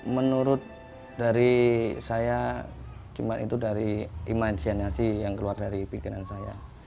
menurut dari saya cuma itu dari imajinasi yang keluar dari pikiran saya